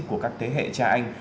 của các thế hệ cha anh